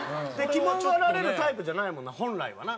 キモがられるタイプじゃないもんな本来はな。